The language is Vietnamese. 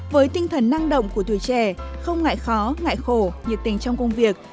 với tinh thần năng động của tuổi trẻ không ngại khó ngại khổ nhiệt tình trong công việc